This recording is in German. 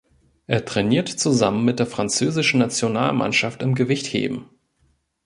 Er trainiert zusammen mit der französischen Nationalmannschaft im Gewichtheben.